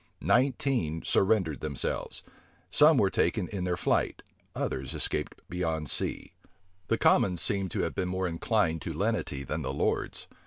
Nine teen surrendered themselves; some were taken in their flight; others escaped beyond sea. The commons seem to have been more inclined to lenity than the lords.